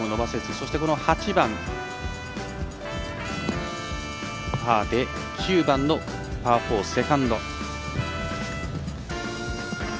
そして８番パーで９番のパー４、セカンド。